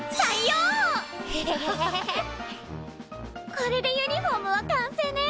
これでユニフォームは完成ね！